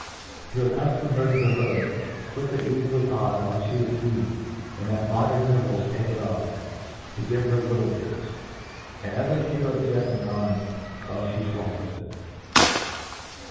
To accuftom her to the hood, flip it eafily on while flic is feed ihg, and at moderate intervals take it oflF, to give her little bits ; and ever fl:eal it gently on while flie fwallows them.